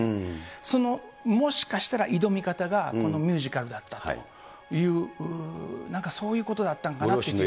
そのもしかしたら挑み方が、このミュージカルだったという、なんかそういうことだったのかなという気が。